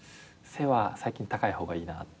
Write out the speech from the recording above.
背は最近高い方がいいな。